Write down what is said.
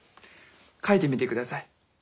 書いてみてください。